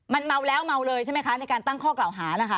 มันเมาแล้วเมาเลยใช่ไหมคะในการตั้งข้อกล่าวหานะคะ